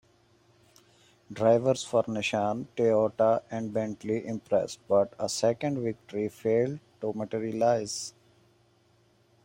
Drives for Nissan, Toyota and Bentley impressed, but a second victory failed to materialise.